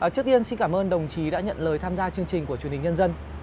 trước tiên xin cảm ơn đồng chí đã nhận lời tham gia chương trình của truyền hình nhân dân